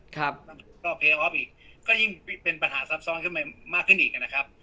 ครับก็เพลย์ออฟอีกก็ยิ่งเป็นปัญหาซับซ้อนขึ้นไปมากขึ้นอีกนะครับ